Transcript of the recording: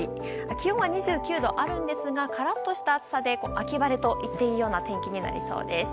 気温は２９度あるんですが、からっとした暑さで、秋晴れと言っていいような天気になりそうです。